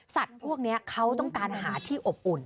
พวกนี้เขาต้องการหาที่อบอุ่น